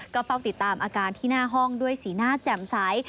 ก็เฝ้าติดตามอาการที่หน้าห้องด้วยสีหน้าแจ่มใส